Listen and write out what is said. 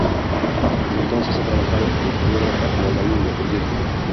Desde entonces, ha trabajado como coreógrafa y bailarina independiente.